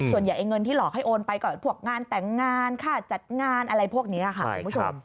ไอ้เงินที่หลอกให้โอนไปก็พวกงานแต่งงานค่าจัดงานอะไรพวกนี้ค่ะคุณผู้ชม